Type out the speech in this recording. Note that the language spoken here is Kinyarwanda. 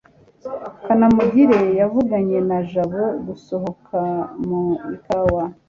kanamugire yavuganye na jabo gusohoka mu ikawa